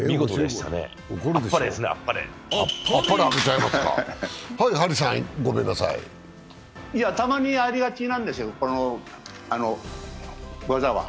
たまにありがちなんですよ、この技は。